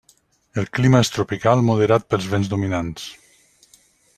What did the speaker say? El clima és tropical moderat pels vents dominants.